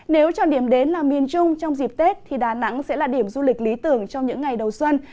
nếu chọn điểm đến là miền trung trong dịp tết thì đà nẵng sẽ là điểm du lịch lý tưởng trong những ngày đầu xuân